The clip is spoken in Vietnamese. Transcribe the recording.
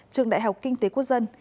trường đại học kinh tế quốc dân